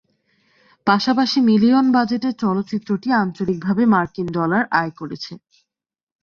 পাশাপাশি মিলিয়ন বাজেটের চলচ্চিত্রটি আঞ্চলিকভাবে মার্কিন ডলার আয় করেছে।